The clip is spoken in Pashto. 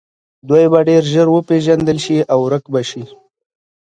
دوی به ډیر ژر وپیژندل شي او ورک به شي